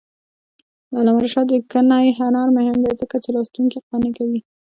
د علامه رشاد لیکنی هنر مهم دی ځکه چې لوستونکي قانع کوي.